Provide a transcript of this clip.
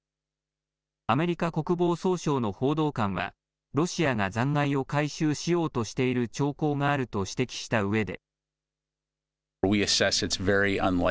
アメリカ国防総省の報道官はロシアが残骸を回収しようとしている兆候があると指摘したうえで。